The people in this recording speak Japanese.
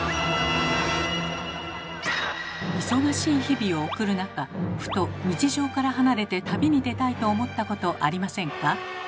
忙しい日々を送る中ふと「日常から離れて旅に出たい」と思ったことありませんか？